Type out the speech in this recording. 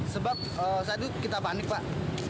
sebab saat itu kita panik pak